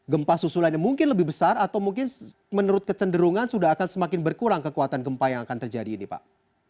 gempa susulannya mungkin lebih besar atau mungkin menurut kecenderungan sudah akan semakin berkurang kekuatan gempa yang akan terjadi ini pak